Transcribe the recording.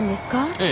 ええ。